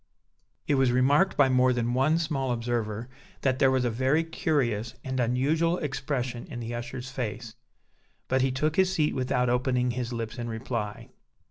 It was remarked by more than one small observer that there was a very curious and unusual expression in the usher's face; but he took his seat without opening his lips in reply.